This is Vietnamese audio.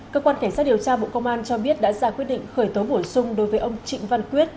cơ quan cảnh sát điều tra bộ công an cho biết đã ra quyết định khởi tố bổ sung đối với ông trịnh văn quyết